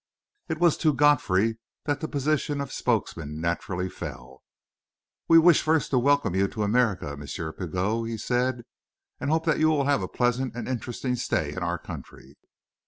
It was to Godfrey that the position of spokesman naturally fell. "We wish first to welcome you to America, M. Pigot," he said, "and to hope that you will have a pleasant and interesting stay in our country."